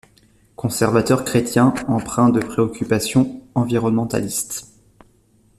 Conservateur chrétien, empreint de préoccupations environnementalistes.